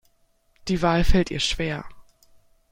Die Wahl fällt ihr schwer.